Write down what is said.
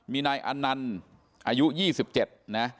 มีนายอันนันต์อายุ๒๗นะ